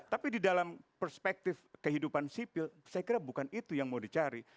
tapi di dalam perspektif kehidupan sipil saya kira bukan itu yang mau dicari